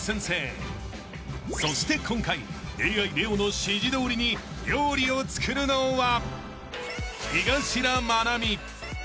［そして今回ＡＩレオの指示どおりに料理を作るのは］